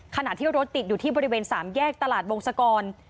ขณะที่รถติดอยู่ที่บริเวณ๓แยกตลาดวงศกร